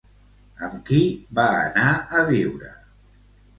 Amb qui va anar a viure?